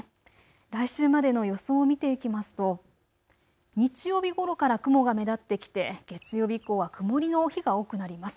来週までの予想を見ていきますと日曜日ごろから雲が目立ってきて月曜日以降は曇りの日が多くなります。